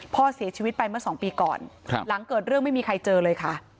พ่อเสียชีวิตไปเมื่อสองปีก่อนหลังเกิดเรื่องไม่มีใครเจอเลยค่ะ